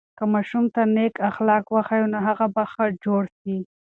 که ماشوم ته نیک اخلاق وښیو، نو هغه به ښه جوړ سي.